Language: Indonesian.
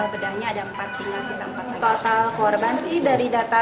bedanya ada empat tinggal sisa empat total korban sih dari data dari kita yang dapat ya pak ya di